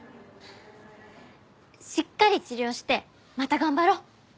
しっかり治療してまた頑張ろう。